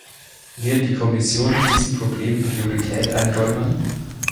Wird die Kommission diesem Problem Priorität einräumen?